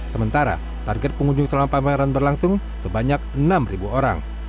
sementara target pengunjung selama pameran berlangsung sebanyak enam orang